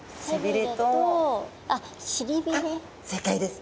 正解です。